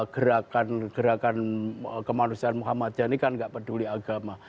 gerakan gerakan kemanusiaan muhammadiyah ini kan tidak peduli agama